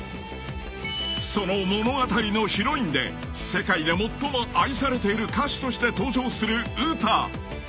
［その物語のヒロインで世界で最も愛されている歌手として登場するウタ］